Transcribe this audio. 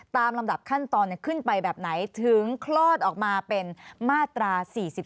ลำดับขั้นตอนขึ้นไปแบบไหนถึงคลอดออกมาเป็นมาตรา๔๔